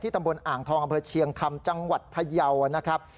ตำบลอ่างทองอำเภอเชียงคำจังหวัดพยาวนะครับ